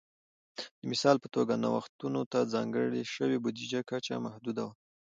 د مثال په توګه نوښتونو ته ځانګړې شوې بودیجې کچه محدوده وه